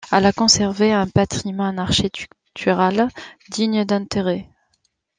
Elle a conservé un patrimoine architectural digne d'intérêt.